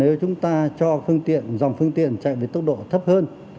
nếu chúng ta cho dòng phương tiện chạy với tốc độ thấp hơn